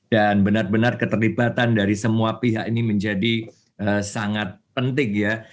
dan benar benar keterlibatan dari semua pihak ini menjadi sangat penting ya